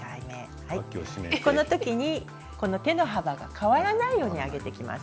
この時に手の幅が変わらないように上げていきます。